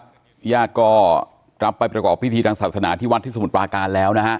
พี่ยาก็รับไปประกอบพิธีทางศาสนาที่วัดที่สมุทรปาการแล้วนะครับ